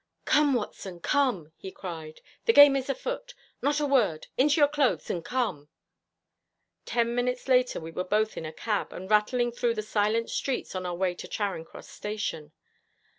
'Come, Watson, come!' he cried. The game is afoot. Not a word! Into your clothes and come!' Ten minutes later we were both in a cab, and rattling through the silent streets on our way to Charing Cross Station.